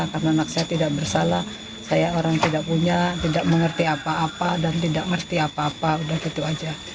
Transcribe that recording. karena anak saya tidak bersalah saya orang yang tidak punya tidak mengerti apa apa dan tidak mengerti apa apa udah gitu aja